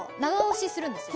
するんですよ